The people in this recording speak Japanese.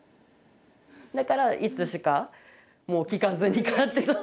だからいつしかもう聞かずに勝手そう。